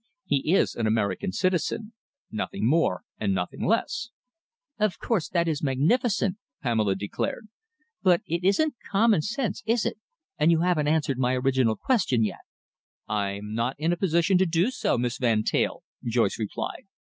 He is an American citizen nothing more and nothing less." "Of course, that is magnificent," Pamela declared, "but it isn't common sense, is it, and you haven't answered my original question yet." "I am not in a position to do so, Miss Van Teyl," Joyce replied.